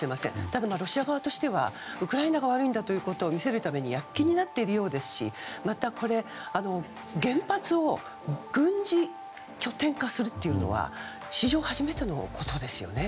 ただ、ロシア側としてはウクライナが悪いんだということを見せるために躍起になっているようですしまた、原発を軍事拠点化するのは史上初めてのことですよね。